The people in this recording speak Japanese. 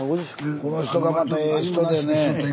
この人がまたええ人でねえ。